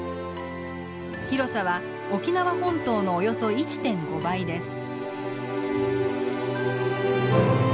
広さは沖縄本島のおよそ１．５倍です。